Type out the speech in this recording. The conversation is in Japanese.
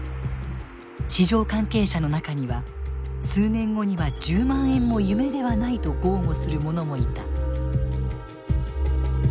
市場関係者の中には数年後には１０万円も夢ではないと豪語する者もいた。